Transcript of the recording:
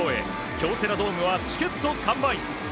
京セラドームはチケット完売。